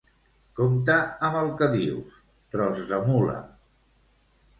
Compte amb el que dius, tros de mula!